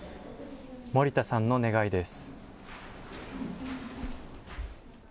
森田さんの願いです。